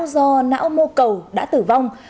do não mô cầu đã tử vong